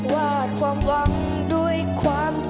วาดความหวังด้วยความ